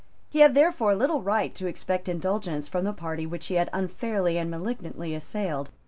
He had therefore little right to expect indulgence from the party which he had unfairly and malignantly assailed.